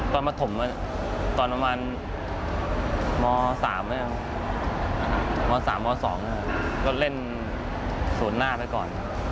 ประถมตอนประมาณม๓ม๓ม๒ก็เล่นศูนย์หน้าไปก่อน